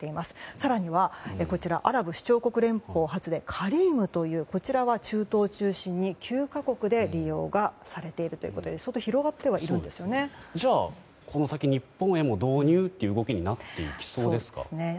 更には、アラブ首長国連邦発でカリームというこちらは中東を中心に９か国で利用されているということでこの先、日本も導入という流れになってきそうですかね。